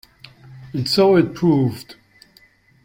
And so it proved.